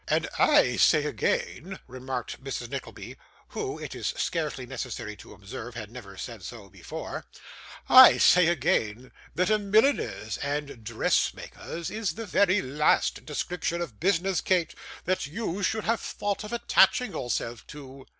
'And I say again,' remarked Mrs. Nickleby (who, it is scarcely necessary to observe, had never said so before), 'I say again, that a milliner's and dressmaker's is the very last description of business, Kate, that you should have thought of attaching yourself to.